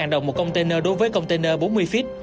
năm trăm linh đồng một container đối với container bốn mươi feet